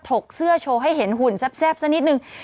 กเสื้อโชว์ให้เห็นหุ่นแซ่บสักนิดนึง